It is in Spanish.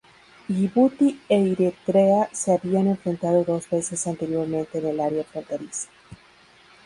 Yibuti y Eritrea se habían enfrentado dos veces anteriormente en el área fronteriza.